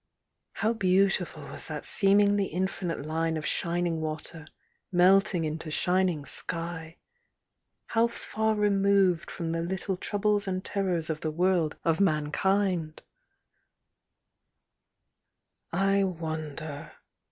How beautiful was that seemingly infinite line of shining water, melting into shining sky! — how far removed from the little troubles and terrors of the world of mankind I "I wonder